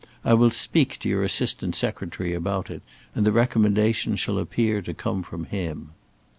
I will speak to your Assistant Secretary about it, and the recommendation shall appear to come from him."